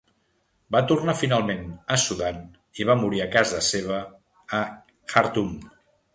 Va tornar finalment a Sudan i va morir a casa seva a Khartum.